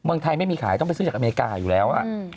เมืองไทยไม่มีขายต้องไปซื้อจากอเมริกาอยู่แล้ว